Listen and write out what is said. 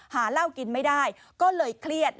หาเหล้ากินไม่ได้ก็เลยเครียด